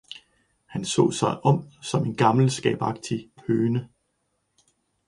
Han så sig om som en gammel skabagtig høne.